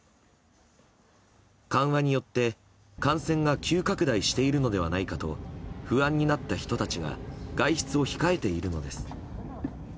緩和によって、感染が急拡大しているのではないかと不安になった人たちが外出を控えているのです。